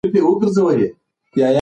ټولنیز چلند د هر چا په خوښه نه بدلېږي.